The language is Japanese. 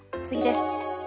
次です。